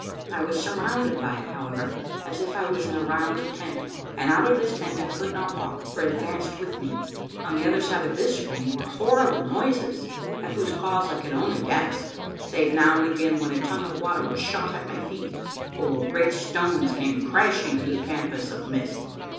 I was sur rounded by it, however, as if I was in a round tent; and out of this tent I could not walk, for it advanced with me. On the other side of this screen were horrible noises, at whose cause I could only guess, save now and again when a tongue of water was shot at my feet, or great stones came crashing through the canvas of mist.